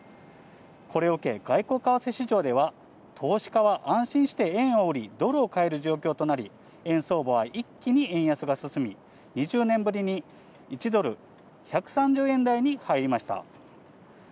これを受け、外国為替市場では、投資家は安心して円を売り、ドルを買える状況となり、円相場は一気に円安が進み、２０年ぶりに、１ドル１３０円台に入りました。